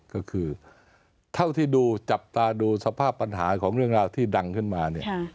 ก็คือเท่าที่ดูจับตาดูสภาพปัญหาของเรื่องราวที่ดังขึ้นมาเนี่ย